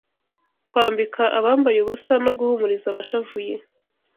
kwambika abambaye ubusa no guhumuriza abashavuye